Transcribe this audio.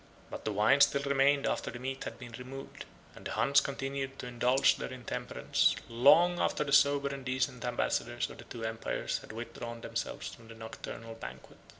But the wine still remained after the meat had been removed; and the Huns continued to indulge their intemperance long after the sober and decent ambassadors of the two empires had withdrawn themselves from the nocturnal banquet.